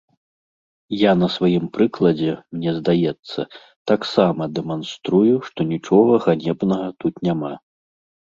Я на сваім прыкладзе, мне здаецца, таксама дэманструю, што нічога ганебнага тут няма.